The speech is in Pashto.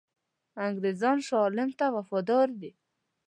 انګرېزان شاه عالم ته وفادار دي.